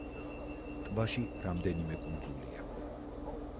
ტბაში რამდენიმე კუნძულია.